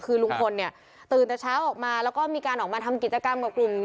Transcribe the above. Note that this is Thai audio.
คือลุงพลเนี่ยตื่นแต่เช้าออกมาแล้วก็มีการออกมาทำกิจกรรมกับกลุ่ม